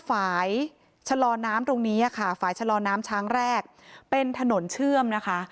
ฝ่ายชะลอน้ำตรงนี้ค่ะฝ่ายชะลอน้ำช้างแรกเป็นถนนเชื่อมนะคะ